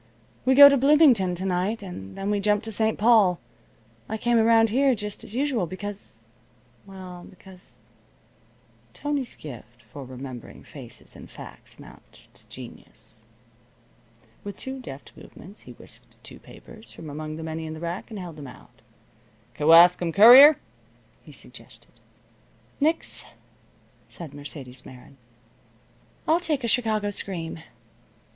We go to Bloomington to night, and then we jump to St. Paul. I came around here just as usual, because well because " Tony's gift for remembering faces and facts amounts to genius. With two deft movements he whisked two papers from among the many in the rack, and held them out. "Kewaskum Courier?" he suggested. "Nix," said Mercedes Meron, "I'll take a Chicago Scream."